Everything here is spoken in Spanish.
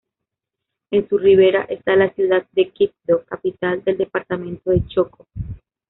En su ribera está la ciudad de Quibdó, capital del departamento de Chocó.